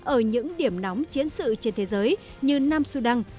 ở những điểm nóng chiến sự trên thế giới như nam sudan